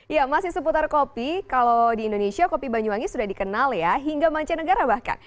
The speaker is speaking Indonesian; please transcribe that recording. ya masih seputar kopi kalau di indonesia kopi banyuwangi sudah dikenal ya hingga mancanegara bahkan